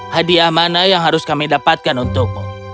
hadiah mana yang harus kami dapatkan untukmu